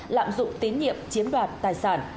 lạm dụng tín nhiệm chiếm đoạt tài sản